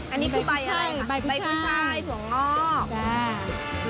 อันนี้คือใบอะไรค่ะใบผู้ชายสวงออก